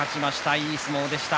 いい相撲でした。